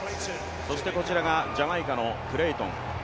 そしてこちらがジャマイカのクレイトン。